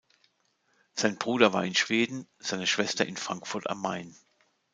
Sein Bruder war in Schweden, seine Schwester in Frankfurt am Main.